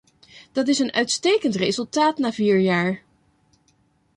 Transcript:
Dat is een uitstekend resultaat na vier jaar.